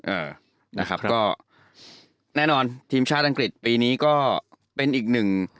เอ่อนะครับก็แน่นอนทีมชาติอังกฤษปีนี้ก็เป็นอีกหนึ่ง